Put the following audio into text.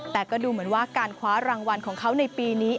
แต่ก็ดูเหมือนว่าการคว้ารางวัลของเขาในปีนี้